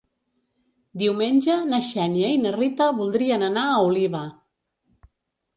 Diumenge na Xènia i na Rita voldrien anar a Oliva.